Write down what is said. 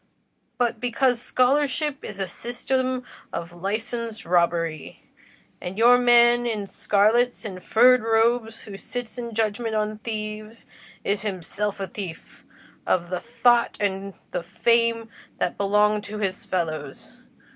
but because scholarship is a system of licenced robbery, and your man in scarlet and furred robe who sits in judgment on thieves, is himself a thief of the thoughts and the fame that belong to his fellows.